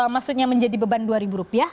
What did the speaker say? maksudnya menjadi beban dua ribu rupiah